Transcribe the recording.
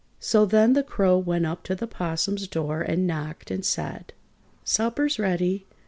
So then the Crow went up to the 'Possum's door and knocked and said: "Supper's ready!